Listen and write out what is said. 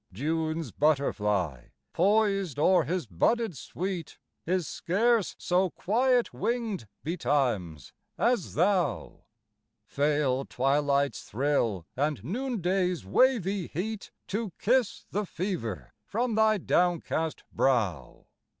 June's butterfly, poised o'er his budded sweet, Is scarce so quiet winged, betimes, as thou. Fail twilight's thrill, and noonday's wavy heat To kiss the fever from thy downcast brow.